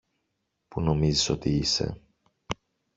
που νομίζεις ότι είσαι